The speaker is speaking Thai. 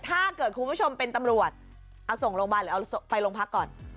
ถ้าเกิดคุณผู้ชมเป็นตำรวจเอาส่งโรงพยาบาลหรือเอาไปโรงพักก่อน